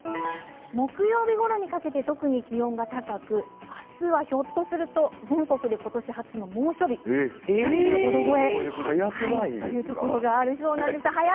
木曜日ごろにかけて特に気温が高く明日はひょっとすると全国で今年初の猛暑日３５度超えというところがありそうなんです。